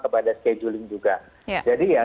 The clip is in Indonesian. kepada scheduling juga jadi yang